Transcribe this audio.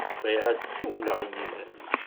Bɣiɣ ad ssiwleɣ yid-m.